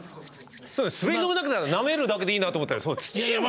滑り止めだけならなめるだけでいいなと思ったら土も。